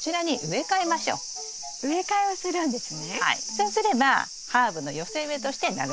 そうすればハーブの寄せ植えとして長く楽しめますよ。